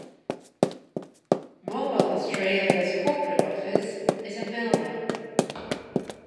Mobil Australia's corporate office is in Melbourne.